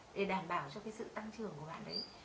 để đảm bảo cho cái sự tăng trưởng của bạn đấy